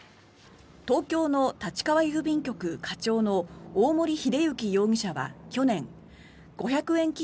東京の立川郵便局課長の大森秀之容疑者は去年５００円